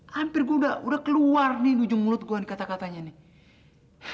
hampir gue udah keluar nih ngujung mulut gue nih kata katanya nih